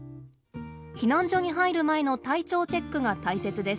避難所に入る前の体調チェックが大切です。